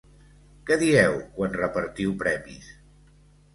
Què dieu quan repartiu premis?